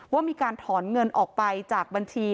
ว่ามีการถอนเงินออกไปจากบัญชี